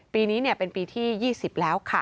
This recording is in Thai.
ปีนี้เป็นปีที่๒๐แล้วค่ะ